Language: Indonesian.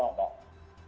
oke boleh agak sedikit